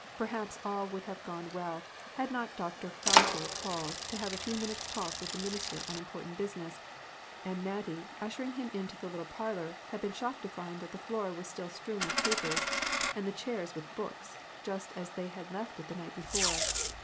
Perhaps all would have gone well had not Dr. Crowther called to have a few minutes' talk with the minister on important bus iness, and Mattie, ushering him into the little par lor, had been shocked to find that the floor was still strewn with papers, and the chairs with books, just as they had left it the night before.